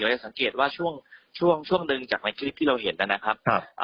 จะสังเกตว่าช่วงช่วงหนึ่งจากในคลิปที่เราเห็นนะครับ